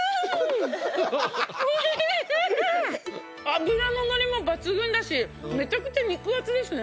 脂ののりも抜群だしめちゃくちゃ肉厚ですね。